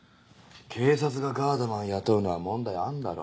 警察がガードマン雇うのは問題あんだろ。